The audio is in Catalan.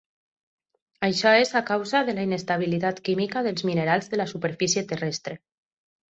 Això és a causa de la inestabilitat química dels minerals de la superfície terrestre.